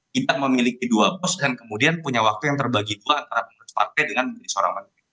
kita memiliki dua bos dan kemudian punya waktu yang terbagi dua antara teman teman partai dengan seorang anggota kabinet